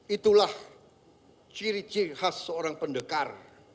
itulah ciri ciri khas seorang pendekar